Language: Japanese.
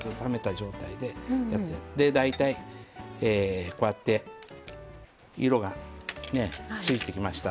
大体こうやって色がついてきました。